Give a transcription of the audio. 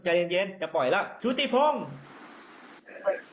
ใจเย็นจะปล่อยแล้วชุติพงศ์